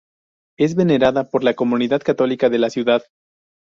Es venerada por la comunidad católica de la ciudad.